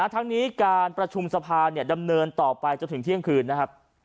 ทั้งนี้การประชุมสภาดำเนินต่อไปจนถึงเที่ยงคืนนะครับ